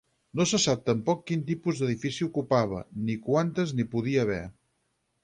No se sap tampoc quin tipus d'edifici ocupava, ni quantes n'hi podia haver.